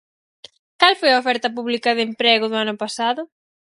¿Cal foi a oferta pública de emprego do ano pasado?